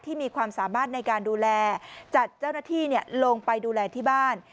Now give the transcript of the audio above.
มีความสามารถในการดูแลจัดเจ้าหน้าที่ลงไปดูแลที่บ้าน